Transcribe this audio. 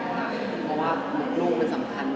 เพราะว่าหนูเป็นสำคัญนะ